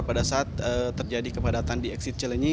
pada saat terjadi kepadatan di exit celenyi